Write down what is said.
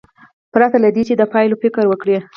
پرته له دې چې د پایلو فکر وکړي.